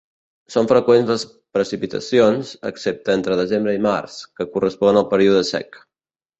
Són freqüents les precipitacions, excepte entre desembre i març, que correspon al període sec.